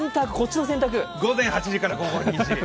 午前８時から午後２時。